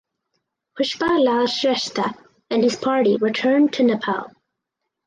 Pushpa Lal Shrestha and his party returned to Nepal.